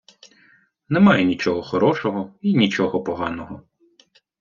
Немає нічого хорошого й нічого поганого.